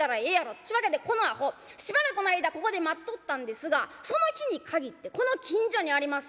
っちゅうわけでこのアホしばらくの間ここで待っとったんですがその日に限ってこの近所にあります